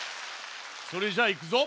それじゃあいくぞ。